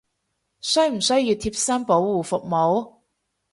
需唔需要貼身保護服務！？